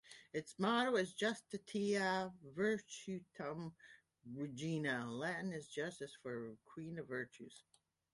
Its motto is "Justitia Virtutum Regina", Latin for "Justice is Queen of Virtues".